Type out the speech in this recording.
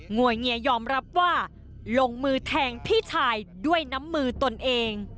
วยเงียยอมรับว่าลงมือแทงพี่ชายด้วยน้ำมือตนเอง